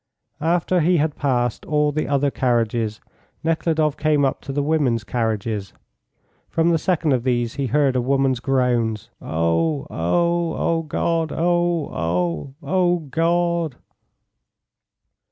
After he had passed all the other carriages, Nekhludoff came up to the women's carriages. From the second of these he heard a woman's groans: "Oh, oh, oh! O God! Oh, oh! O God!"